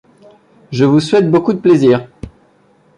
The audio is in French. Je vous souhaite beaucoup de plaisir.